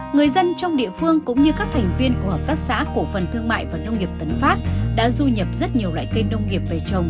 người dân trong địa phương cũng như các thành viên của hợp tác xã cổ phần thương mại và nông nghiệp tấn phát đã du nhập rất nhiều loại cây nông nghiệp về trồng